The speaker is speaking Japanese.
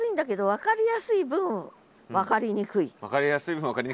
「分かりやすい分分かりにくい」。